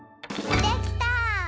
できた！